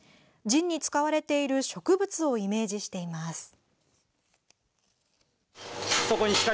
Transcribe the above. ジンに使われている植物をイメージしています。